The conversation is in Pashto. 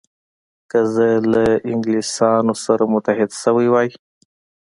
که زه له انګلیسانو سره متحد شوی وای.